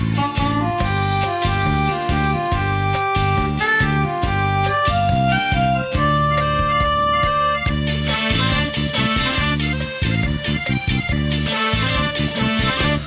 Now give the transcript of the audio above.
ไทย